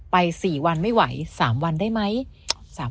๔วันไม่ไหว๓วันได้ไหม